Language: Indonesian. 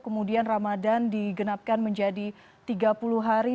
kemudian ramadan digenapkan menjadi tiga puluh hari